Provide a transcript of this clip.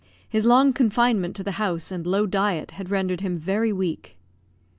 His long confinement to the house and low diet had rendered him very weak.